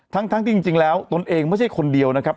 ทั้งที่จริงแล้วตนเองไม่ใช่คนเดียวนะครับ